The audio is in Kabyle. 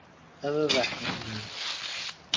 A baba ḥnini!